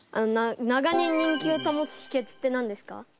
長年人気をたもつひけつって何ですか？